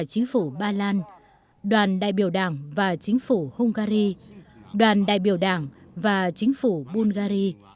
chính phủ ba lan đoàn đại biểu đảng và chính phủ hungary đoàn đại biểu đảng và chính phủ bungary